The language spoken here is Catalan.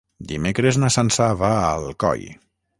Dimecres na Sança va a Alcoi.